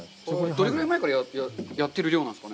どれぐらい前からやってる漁なんですか？